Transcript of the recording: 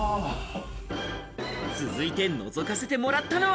続いて覗かせてもらったのは。